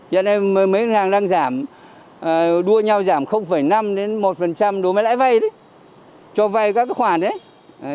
giờ này mấy ngân hàng đang giảm đua nhau giảm năm đến một đối với lãi vay đấy cho vay các cái khoản đấy